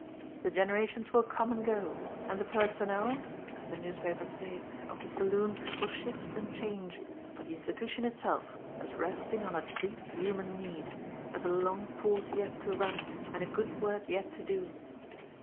The generations will come and go, and the PERSONNEL, as the newspapers say, of the saloon will shift and change, but the institution itself, as resting on a deep human need, has a long course yet to run and a good work yet to do.